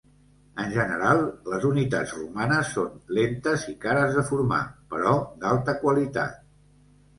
En general les unitats romanes són lentes i cares de formar, però d'alta qualitat.